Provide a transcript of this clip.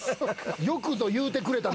よくぞ言うてくれた！